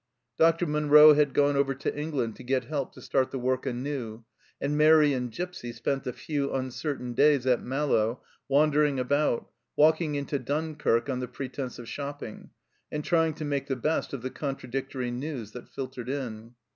Dr. Munro had gone over to England to get help to start the work anew, and Mairi and Gipsy spent the few uncertain days at Malo wandering about, walking into Dunkirk on the pretence of shopping, and trying to make the best of the contradictory news that filtered in.